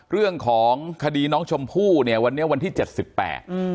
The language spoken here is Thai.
เรื่องของคดีน้องชมพู่เนี่ยวันนี้วันที่เจ็ดสิบแปดอืม